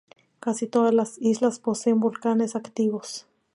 Casi todas las islas poseen volcanes activos.